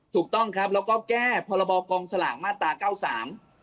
ถูกต้องครับแล้วก็แก้พรบกองสลากมาตราเก้าสาม